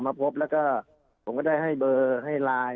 มาพบแล้วก็ผมก็ได้ให้เบอร์ให้ไลน์